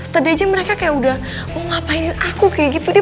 tadi aja mereka kayak udah oh ngapain aku kayak gitu deh